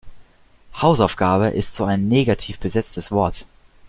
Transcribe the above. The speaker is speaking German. Hausaufgabe ist so ein negativ besetztes Wort.